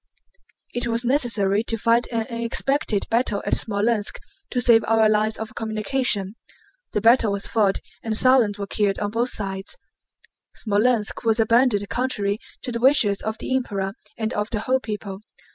It was necessary to fight an unexpected battle at Smolénsk to save our lines of communication. The battle was fought and thousands were killed on both sides. Smolénsk was abandoned contrary to the wishes of the Emperor and of the whole people.